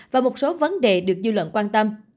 và một số vấn đề được dư luận quan tâm